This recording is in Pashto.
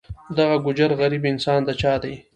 دغه ګوجر غریب انسان د چا دی.